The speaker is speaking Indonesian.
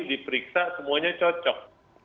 kita semuanya cocok